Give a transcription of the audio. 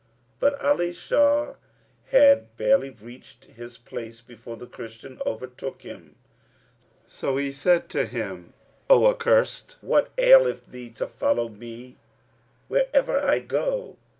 but Ali Shar had barely reached his place before the Christian overtook him; so he said to him, "O accursed, what aileth thee to follow me wherever I go?"